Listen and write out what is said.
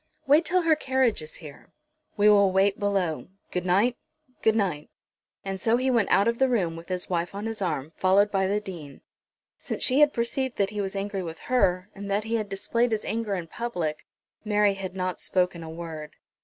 "Wait till her carriage is here." "We will wait below. Good night, good night." And so he went out of the room with his wife on his arm, followed by the Dean. Since she had perceived that he was angry with her, and that he had displayed his anger in public Mary had not spoken a word.